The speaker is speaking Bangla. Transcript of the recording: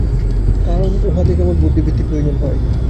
কারণ উহাতে কেবল বুদ্ধিবৃত্তির প্রয়োজন হয়।